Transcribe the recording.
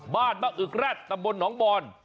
บ้านมะอึกแร็ดตำบลหนองบอน